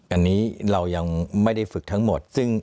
อันนี้เรายังไม่ได้ฝึกทั้งหมด